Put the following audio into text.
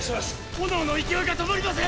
・炎の勢いが止まりません